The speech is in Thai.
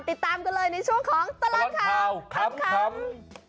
ติดตามกันเลยในช่วงของตลอดข่าวขำ